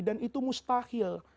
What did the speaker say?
dan itu mustahil